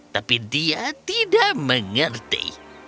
tapi dia tidak mengerti